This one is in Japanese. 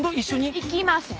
行きません！